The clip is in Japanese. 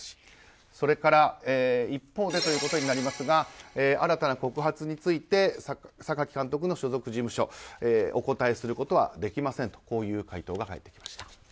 それから、一方でということになりますが新たな告発について榊監督の所属事務所はお答えすることはできませんと、こういう回答が入ってきました。